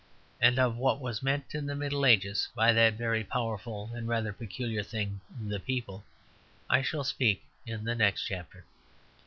And of what was meant in the Middle Ages by that very powerful and rather peculiar thing, the people, I shall speak in the next chapter.